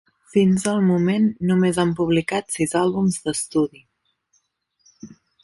Fins al moment, només han publicat sis àlbums d'estudi.